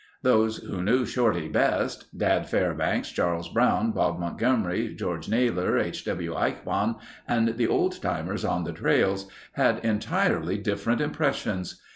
Those who knew Shorty best—Dad Fairbanks, Charles Brown, Bob Montgomery, George Naylor, H. W. Eichbaum, and the old timers on the trails had entirely different impressions.